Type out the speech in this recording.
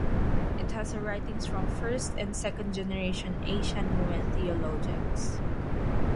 It has writings from "first and second generation Asian women theologians".